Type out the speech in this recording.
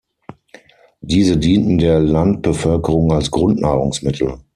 Diese dienten der Landbevölkerung als Grundnahrungsmittel.